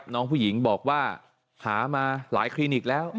น้องผู้หญิงบอกว่าหามาหลายคลินิกแล้ว